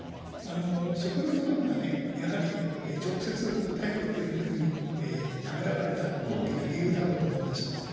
そこのところが、やはり直接答えるということにためらわれた大きな理由だろうと思うんです。